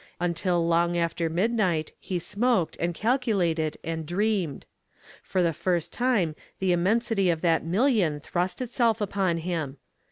Until long after midnight he smoked and calculated and dreamed. For the first time the immensity of that million thrust itself upon him.